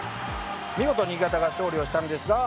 見事新潟が勝利をしたんですが